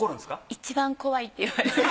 一番怖いって言われます。